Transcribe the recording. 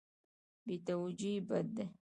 بې توجهي بد دی.